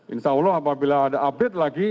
insyaallah apabila ada update lagi